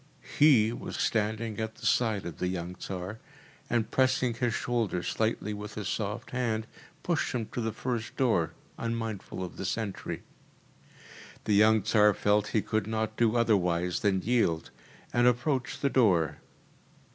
HE was standing at the side of the young Tsar, and pressing his shoulder slightly with his soft hand, pushed him to the first door, unmindful of the sentry. The young Tsar felt he could not do otherwise than yield, and approached the door.